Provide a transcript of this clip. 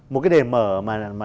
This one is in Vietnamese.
một cái đề mở mà